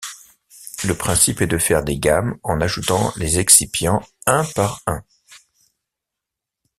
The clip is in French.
Le principe est de faire des gammes en ajoutant les excipients un par un.